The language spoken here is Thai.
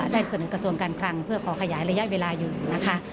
ได้เสนอกระทรวงการคลังเพื่อขอขยายระยะเวลาอยู่นะคะ